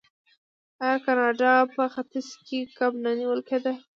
آیا د کاناډا په ختیځ کې کب نه نیول کیدل؟